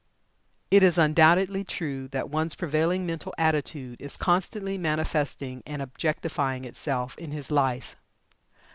It is undoubtedly true that one's prevailing mental attitude is constantly manifesting and objectifying itself in his life.